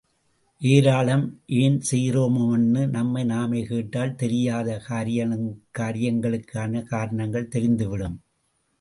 ஏராளம்... ஏன்... செய்கிறோமுன்னு நம்மை நாமே கேட்டால், தெரியாத காரியங்களுக்கான காரணங்கள் தெரிந்து விடும்.